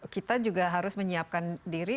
kita juga harus menyiapkan diri